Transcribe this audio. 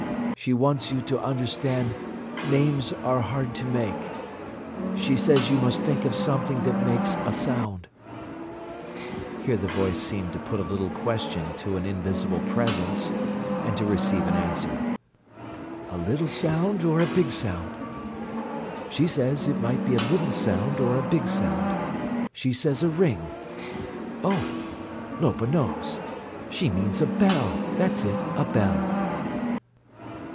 She wants you to understand names are hard to make. She says you must think of something that makes a sound." Here the voice seemed to put a question to an invisible presence and to receive an answer. "A little sound or a big sound? She says it might be a little sound or a big sound. She says a ring—oh, Lopa knows! She means a bell! That's it, a bell."